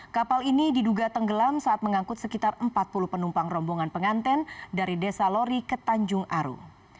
kapal ini diduga tenggelam saat mengangkut sekitar empat puluh penumpang rombongan penganten dari desa lori ke tanjung aru